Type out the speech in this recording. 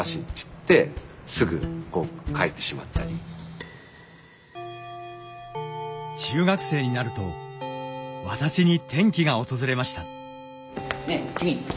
で母親来た時に中学生になると私に転機が訪れました。